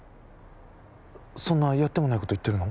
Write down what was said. そんなやってもないこと言ってるの？